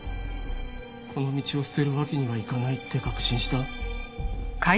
この道を捨てるわけにはいかないって確信した。